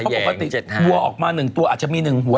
เพราะปกติวัวออกมาหนึ่งตัวอาจจะมีหนึ่งหัว